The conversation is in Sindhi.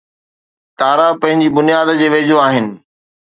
تارا پنهنجي بنياد جي ويجهو آهن